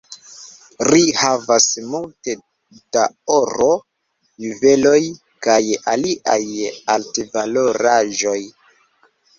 Ri havas multe da oro, juveloj kaj aliaj altvaloraĵoj.